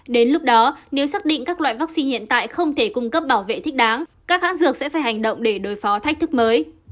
đến lúc đó nếu xác định các loại vaccine hiện tại không thể cung cấp bảo vệ thích đáng các hãng dược sẽ phải hành động để đối phó thách thức mới